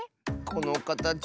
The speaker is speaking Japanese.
このかたち